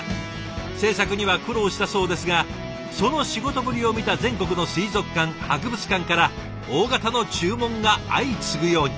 制作には苦労したそうですがその仕事ぶりを見た全国の水族館博物館から大型の注文が相次ぐように。